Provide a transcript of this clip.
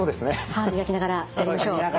歯を磨きながらやりましょう。